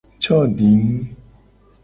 Codinu.